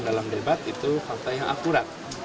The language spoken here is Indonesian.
dalam debat itu fakta yang akurat